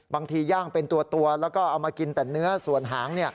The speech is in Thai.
ย่างเป็นตัวแล้วก็เอามากินแต่เนื้อส่วนหาง